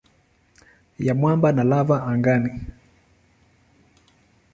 ya mwamba na lava angani.